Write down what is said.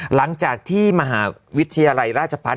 หลังจากที่มหาวิทยาลัยราชพัฒน